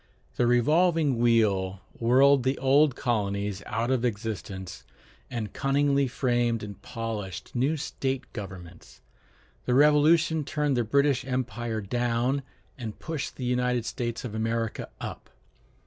The revolving wheel whirled the old colonies out of existence, and cunningly framed and polished new state governments. The Revolution turned the British empire down, and pushed the United States of America up.